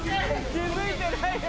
気付いてないよ！